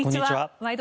「ワイド！